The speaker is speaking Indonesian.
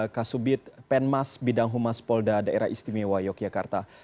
kasubit penmas bidang humas polda daerah istimewa yogyakarta